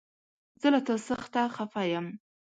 زه له تا سخته خفه يم!